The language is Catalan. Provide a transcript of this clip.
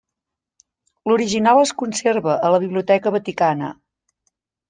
L'original es conserva a la Biblioteca Vaticana.